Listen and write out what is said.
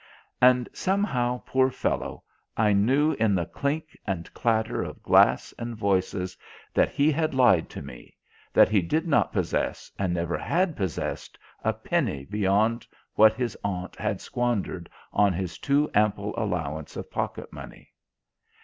And somehow, poor fellow, I knew in the clink and clatter of glass and voices that he had lied to me; that he did not possess, and never had possessed, a penny beyond what his aunt had squandered on his too ample allowance of pocket money.